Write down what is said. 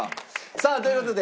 さあという事で。